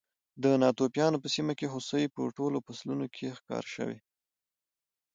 د ناتوفیانو په سیمه کې هوسۍ په ټولو فصلونو کې ښکار شوې.